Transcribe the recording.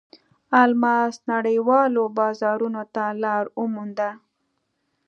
الماس نړیوالو بازارونو ته لار ومونده.